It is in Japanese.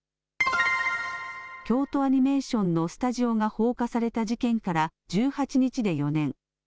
京都アニメーションのスタジオが放火された事件から１８日で４年。